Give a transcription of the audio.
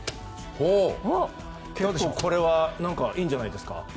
これはいいんじゃないですか？